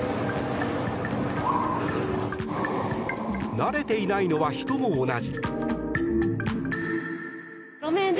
慣れていないのは人も同じ。